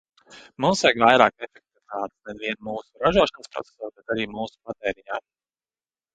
Mums vajag vairāk efektivitātes ne vien mūsu ražošanas procesos, bet arī mūsu patēriņā.